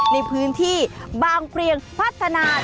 ในพื้นที่บางเปรียงพัฒนา